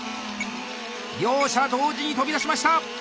両者同時に飛び出しました！